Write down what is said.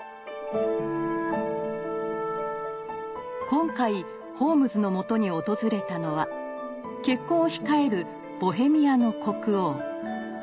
今回ホームズのもとに訪れたのは結婚を控えるボヘミアの国王。